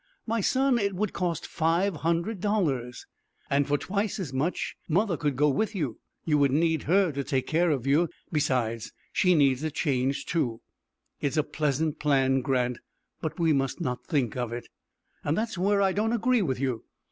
"My son, it would cost five hundred dollars." "And for twice as much, mother, could go with you; you would need her to take care of you. Besides she needs a change, too." "It is a pleasant plan, Grant; but we must not think of it." "That's where I don't agree with you.